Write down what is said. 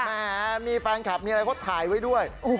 แหมมีแฟนคลับมีอะไรเขาถ่ายไว้ด้วย